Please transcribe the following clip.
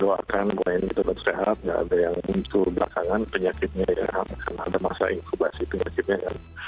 kita akan mulai untuk berharap tidak ada yang muncul belakangan penyakitnya yang akan ada masa inkubasi penyakitnya